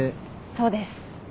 そうです。